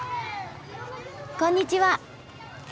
こんにちは。